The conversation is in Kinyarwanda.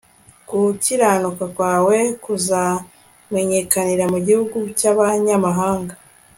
gukiranuka kwawe kuzamenyekanira mu gihugu cy'abanyamahanga